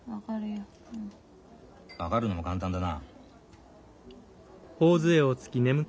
分かるのも簡単だな。